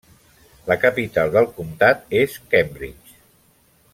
La capital del comtat és Cambridge.